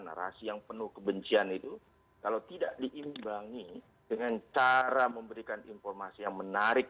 narasi yang penuh kebencian itu kalau tidak diimbangi dengan cara memberikan informasi yang menarik